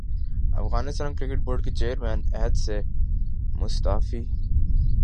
Afghanistan cricket board کے chairman عہدے سے مستعفی